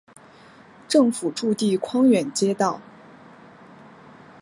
政府驻地匡远街道。